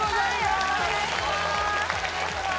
よろしくお願いします